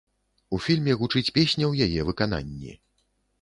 У фільме гучыць песня ў яе выкананні.